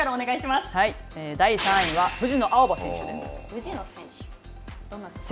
第３位は藤野あおば選手です。